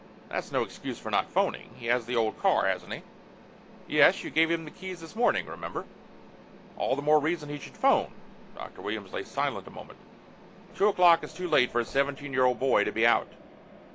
"That's no excuse for not phoning. He has the old car, hasn't he?" "Yes. You gave him the keys this morning, remember?" "All the more reason he should phone." Dr. Williams lay silent a moment. "Two o'clock is too late for a 17 year old boy to be out."